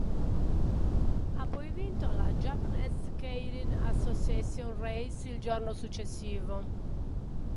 Ha poi vinto la Japanese Keirin Association Race il giorno successivo.